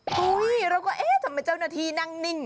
เฮ้ยเราก็เอ๊ะทำไมเจ้าหน้าที่นั่งนิ่ง